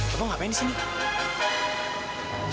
bapak ngapain di sini